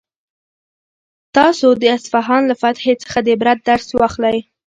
تاسو د اصفهان له فتحې څخه د عبرت درس واخلئ.